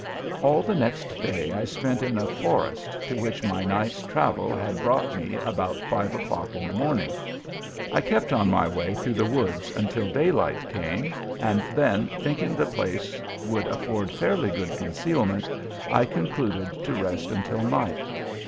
All the next day I spent in a forest, to which my night's travel had brought me about five o'clock in the morning. I kept on my way through the woods until daylight came, and then, thinking the place would afford fairly good concealment, I concluded to rest until night.